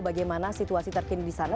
bagaimana situasi terkini disana